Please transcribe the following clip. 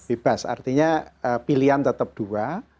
bebas artinya pilihan tetap dua